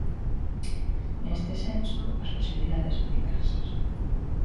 Neste senso, as posibilidades son diversas.